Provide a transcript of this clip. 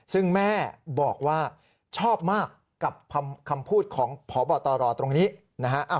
ซึ่งแม่บอกว่าชอบมากกับคำพูดของพบตรตรงนี้นะฮะ